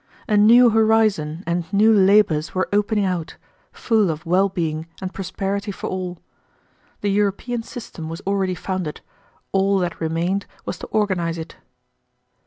A new horizon and new labors were opening out, full of well being and prosperity for all. The European system was already founded; all that remained was to organize it.